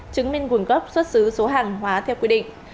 chứng minh nguồn gốc xuất xứ số hàng hóa theo quy định